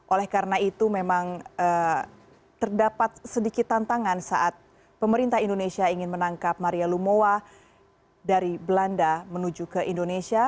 oleh karena itu memang terdapat sedikit tantangan saat pemerintah indonesia ingin menangkap maria lumowa dari belanda menuju ke indonesia